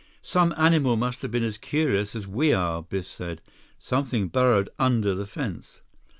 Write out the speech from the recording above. "Some animal must have been as curious as we are," Biff said. "Something burrowed under the fence."